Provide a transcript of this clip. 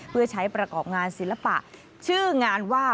เพื่อใช้ประกอบงานศิลปะชื่องานว่า